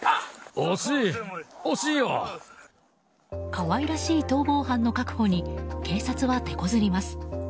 可愛らしい逃亡犯の確保に警察は手こずります。